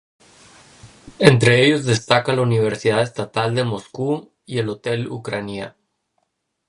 Entre ellos destaca la universidad estatal de Moscú y el hotel Ucrania.